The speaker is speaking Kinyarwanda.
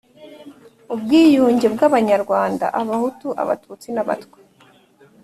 ubwiyunge bw'abanyarwanda, abahutu, abatutsi, n'abatwa,